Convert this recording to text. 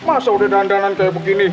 masa udah dandanan kaya begini